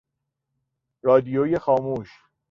رادیوی خاموش